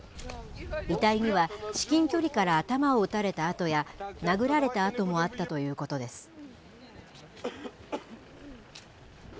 遺体には、至近距離から頭を撃たれた痕や、殴られた痕もあったということです。